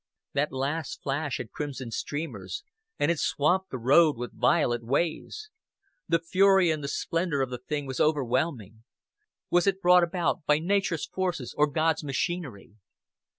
That last flash had crimson streamers, and it swamped the road with violet waves. The fury and the splendor of the thing was overwhelming. Was it brought about by Nature's forces or God's machinery?